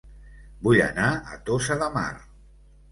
Vull anar a Tossa de Mar